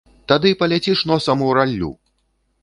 Тады паляціш носам у раллю.